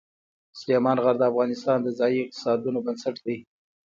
سلیمان غر د افغانستان د ځایي اقتصادونو بنسټ دی.